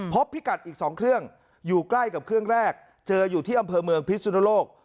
พิกัดอีก๒เครื่องอยู่ใกล้กับเครื่องแรกเจออยู่ที่อำเภอเมืองพิสุนโลก